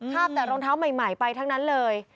บแต่รองเท้าใหม่ไปทั้งนั้นเลย